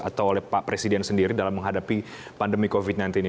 atau oleh pak presiden sendiri dalam menghadapi pandemi covid sembilan belas ini